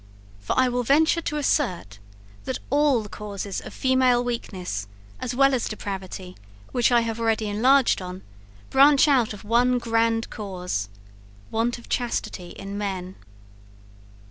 For I will venture to assert, that all the causes of female weakness, as well as depravity, which I have already enlarged on, branch out of one grand cause want of chastity in men.